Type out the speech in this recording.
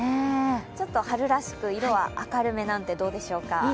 ちょっと春らしく、色は明るめなんていかがでしょうか。